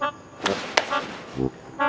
mereka bisa semang jangan minuman juga